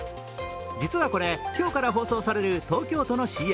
実はこれ、今日から放送される東京都のＣＭ。